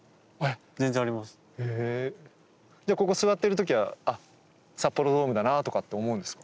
じゃあここ座ってる時はあっ札幌ドームだなとかって思うんですか？